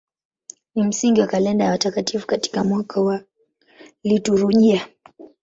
Ni msingi wa kalenda ya watakatifu katika mwaka wa liturujia.